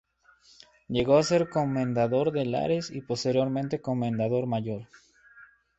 Llegó a ser comendador de Lares y posteriormente comendador mayor.